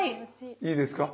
いいですか？